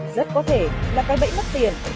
rất có thể là cái bẫy mất tiền